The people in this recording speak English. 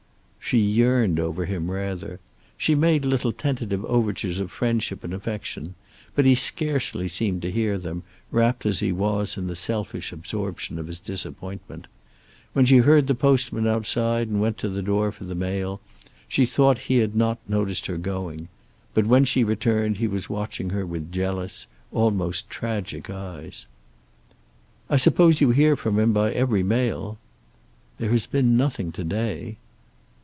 She yearned over him, rather. She made little tentative overtures of friendship and affection. But he scarcely seemed to hear them, wrapped as he was in the selfish absorption of his disappointment. When she heard the postman outside and went to the door for the mail, she thought he had not noticed her going. But when she returned he was watching her with jealous, almost tragic eyes. "I suppose you hear from him by every mail." "There has been nothing to day."